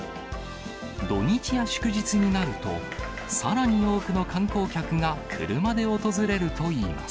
土日や祝日になると、さらに多くの観光客が車で訪れるといいます。